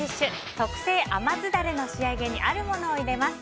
特製甘酢ダレの仕上げにあるものを入れます。